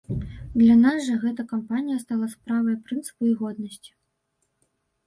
Для нас жа гэтая кампанія стала справай прынцыпу і годнасці.